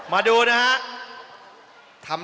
มาดูนะฮะ